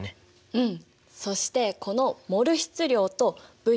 うん。